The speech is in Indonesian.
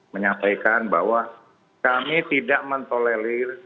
menyampaikan bahwa kami tidak mentolelir